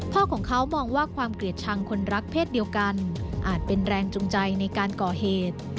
พ่อของเขามองว่าความเกลียดชังคนรักเพศเดียวกันอาจเป็นแรงจูงใจในการก่อเหตุ